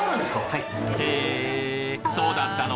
はい。